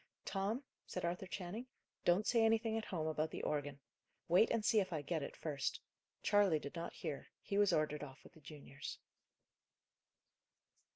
"Tom," said Arthur Channing, "don't say anything at home about the organ. Wait and see if I get it, first. Charley did not hear; he was ordered off with the juniors."